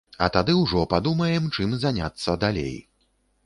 А тады ўжо падумаем чым заняцца далей.